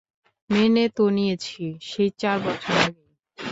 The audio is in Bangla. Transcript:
মেনে তো নিয়েছি, সেই চার বছর আগেই।